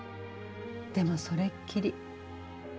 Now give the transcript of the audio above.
でもそれっきり。